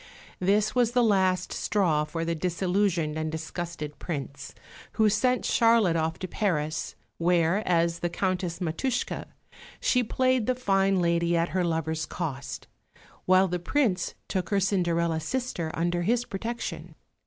This was the last straw for the disillusioned and disgusted Prince, who sent Charlotte off to Paris, where as the Countess Matushke she played the fine lady at her lover's cost, while the Prince took her Cinderella sister under his protection.